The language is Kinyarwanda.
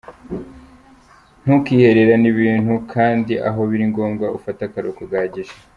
Ntukihererane ibintu kandi aho biri ngombwa ufate akaruhuko gahagije.